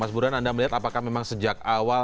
mas burhan anda melihat apakah memang sejak awal